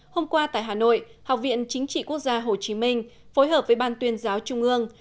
hôm qua tại hà nội học viện chính trị quốc gia hồ chí minh phối hợp với ban tuyên giáo trung ương